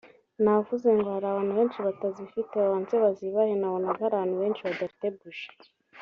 navuze ngo hari abantu benshi batazifite babanze bazibahe nabonaga hari abantu benshi badafite buji